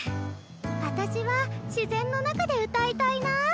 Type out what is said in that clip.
私は自然の中で歌いたいなあ。